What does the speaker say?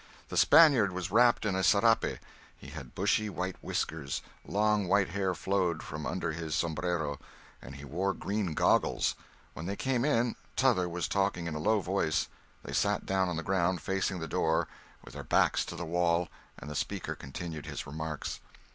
The Spaniard was wrapped in a serape; he had bushy white whiskers; long white hair flowed from under his sombrero, and he wore green goggles. When they came in, "t'other" was talking in a low voice; they sat down on the ground, facing the door, with their backs to the wall, and the speaker continued his remarks.